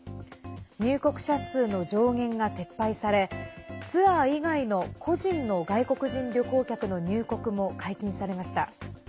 入国者数の上限が撤廃されツアー以外の個人の外国人旅行客の入国も解禁されました。